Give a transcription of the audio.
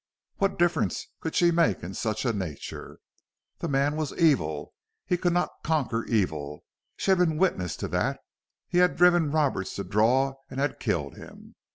What difference could she make in such a nature? The man was evil. He could not conquer evil. She had been witness to that. He had driven Roberts to draw and had killed him.